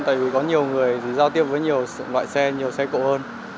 tại vì có nhiều người giao tiếp với nhiều loại xe nhiều xe cộ hơn